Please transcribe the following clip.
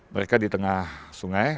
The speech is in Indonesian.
mereka di tengah sungai